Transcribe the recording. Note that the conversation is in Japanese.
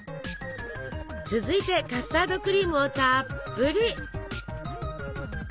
続いてカスタードクリームをたっぷり！